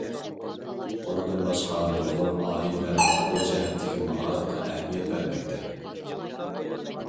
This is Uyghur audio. ئۇنىڭدىن باشقا، نۇرغۇن ئائىلىلەرمۇ بۇ جەھەتتىكى مائارىپقا ئەھمىيەت بەرمەكتە.